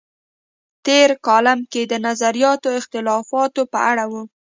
تېر کالم یې د نظریاتي اختلافاتو په اړه و.